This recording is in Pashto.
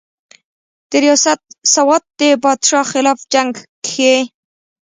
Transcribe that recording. درياست سوات د بادشاه خلاف جنګ کښې